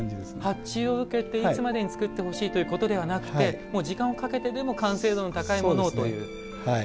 発注を受けていつまでに作ってほしいというものではなくて時間をかけてでも完成度の高いものをという。